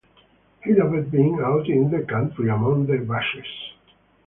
He loved being out in the country, among the bushes.